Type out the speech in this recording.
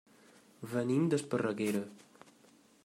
Venim d'Esparreguera.